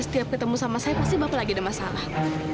setiap ketemu sama saya pasti bapak lagi ada masalah